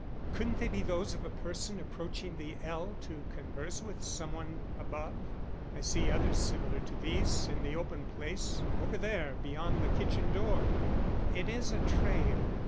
"Couldn't they be those of a person approaching the ell to converse with some one above? I see others similar to these in the open place over there beyond the kitchen door." "It is a trail.